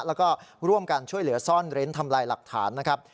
แล้วก็ร่วมกันช่วยเหลือซ่อนเร้นทำลายหลักฐานนะครับ